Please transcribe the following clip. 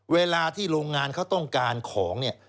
เวลาที่โรงงานเขาต้องการของเนี่ย